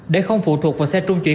để không phụ thuộc vào xe trung chuyển